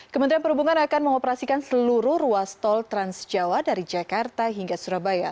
kementerian perhubungan akan mengoperasikan seluruh ruas tol transjawa dari jakarta hingga surabaya